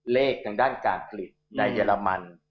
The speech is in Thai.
ทางด้านการผลิตในเยอรมัน